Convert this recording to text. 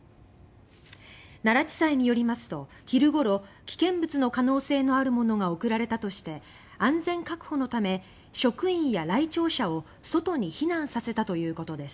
奈良地裁によりますと昼頃、危険物の可能性のあるものが送られたとして安全確保のため職員や来庁者を外に避難させたということです。